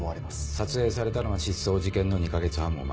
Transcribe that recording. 撮影されたのは失踪事件の２か月半も前。